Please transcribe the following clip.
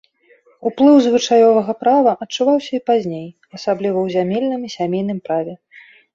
Уплыў звычаёвага права адчуваўся і пазней, асабліва ў зямельным і сямейным праве.